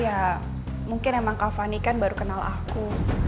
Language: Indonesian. ya mungkin emang kak fani kan baru kenal aku